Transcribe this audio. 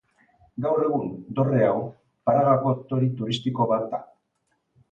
Gaur egun, dorre hau, Pragako toki turistiko bat da.